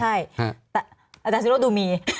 ใช่แต่อาจารย์ศิโรธดูมี